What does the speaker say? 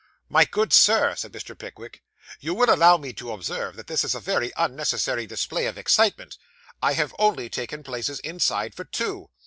'My good sir,' said Mr. Pickwick, 'you will allow me to observe that this is a very unnecessary display of excitement. I have only taken places inside for two.